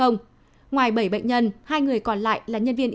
ngoài bảy bệnh nhân hai người còn lại là nhân viên